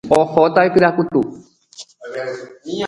Ohóta opirakutu.